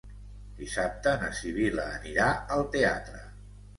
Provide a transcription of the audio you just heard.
Dissabte na Sibil·la anirà al teatre.